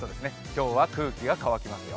今日は空気が乾きますよ。